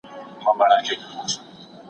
که تاسي وغواړئ موږ کار کولای سو.